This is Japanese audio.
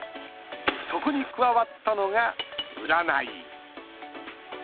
そこに加わったのが占い。